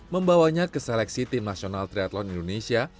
membawanya ke seleksi tim nasional triathlon indonesia